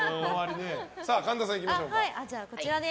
神田さん、いきましょうか。